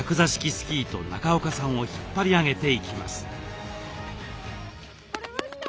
スキーと中岡さんを引っ張り上げていきます。